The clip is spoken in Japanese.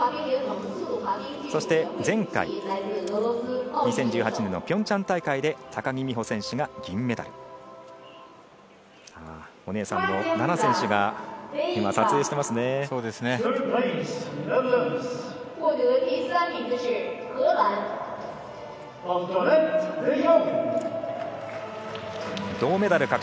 そして前回、２０１８年のピョンチャン大会で高木美帆選手が銀メダル。